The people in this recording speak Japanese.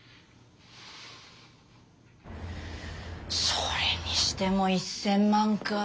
それにしても１，０００万かあ。